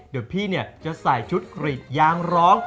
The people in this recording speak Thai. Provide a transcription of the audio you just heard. เดี๋ยวพี่เนี่ยจะใส่ชุดกรีดยางร้อง